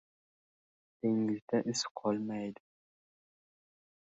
• Dengizda iz qolmaydi.